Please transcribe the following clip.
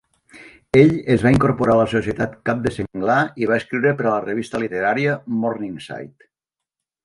Ell es va incorporar a la societat cap de senglar i va escriure per a la revista literària "Morningside".